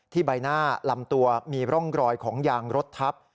ใบหน้าลำตัวมีร่องรอยของยางรถทับ